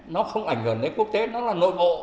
nó không ảnh hưởng đến quốc tế nó là nội bộ